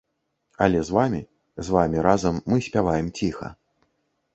Але з вамі, з вамі разам мы спяваем ціха.